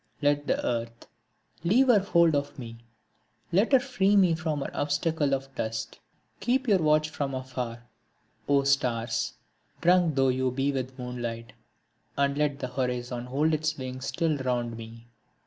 Let the Earth leave her hold of me, let her free me from her obstacle of dust. Keep your watch from afar, O stars, drunk though you be with moonlight, And let the horizon hold its wings still around me.